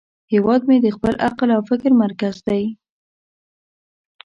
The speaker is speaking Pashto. هیواد مې د خپل عقل او فکر مرکز دی